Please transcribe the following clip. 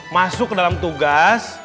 masuk ke dalam tugas